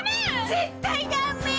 絶対ダメ！